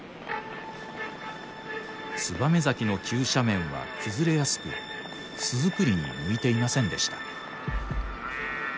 燕崎の急斜面は崩れやすく巣作りに向いていませんでした。